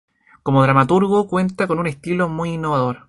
Como dramaturgo cuenta con un estilo muy innovador.